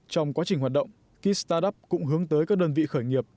trong quá trình hoạt động kit startup cũng hướng tới các đơn vị khởi nghiệp